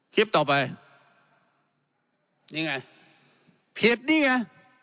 คลิปต่อไปนี่ไงผิดนี่ไง